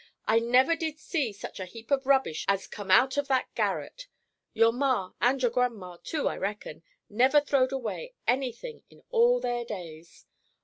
I never did see such a heap of rubbish as come out of that garret; your Ma, and your Grandma, too, I reckon, never throwed away any thing in all their days.